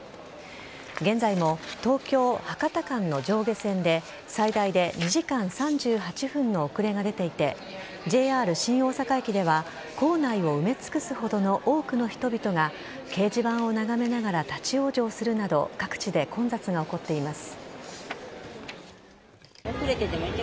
現在も東京博多間の上下線で最大で２時間３８分の遅れが出ていてＪＲ新大阪駅では構内を埋め尽くすほどの多くの人々が掲示板を眺めながら立ち往生するなど各地で混雑が起こっています。